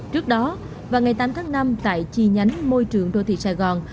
trước đó vào ngày tám tháng năm tại chi nhánh môi trường đô thị sài gòn